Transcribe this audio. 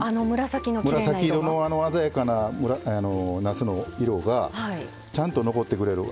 紫色の鮮やかな、なすの色がちゃんと残ってくれる。